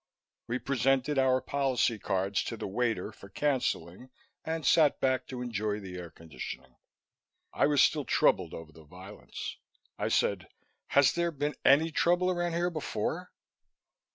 We presented our policy cards to the waiter for canceling, and sat back to enjoy the air conditioning. I was still troubled over the violence. I said, "Has there been any trouble around here before?"